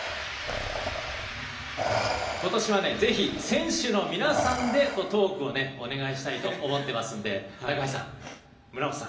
ことしはぜひ選手の皆さんでトークをお願いしたいと思ってますので高橋さん、村元さん